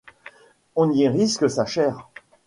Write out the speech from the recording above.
On y risque sa chair.